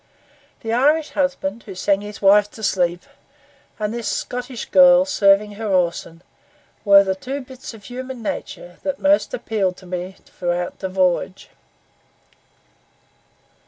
The Irish husband, who sang his wife to sleep, and this Scottish girl serving her Orson, were the two bits of human nature that most appealed to me throughout the voyage.